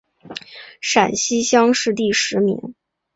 陕西乡试第十名。